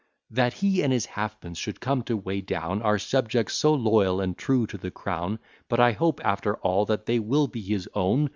That he and his halfpence should come to weigh down Our subjects so loyal and true to the crown: But I hope, after all, that they will be his own.